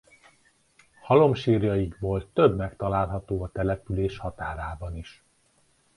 Halomsírjaikból több megtalálható a település határában is.